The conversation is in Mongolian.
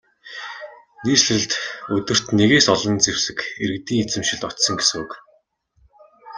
Нийслэлд өдөрт нэгээс олон зэвсэг иргэдийн эзэмшилд очсон гэсэн үг.